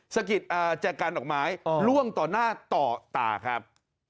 สะกิดอ่าแจกการดอกไม้อ๋อล่วงต่อหน้าต่อต่าครับ